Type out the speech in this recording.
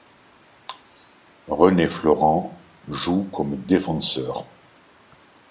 René Florent joue comme défenseur.